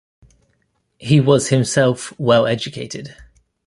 He was himself well-educated.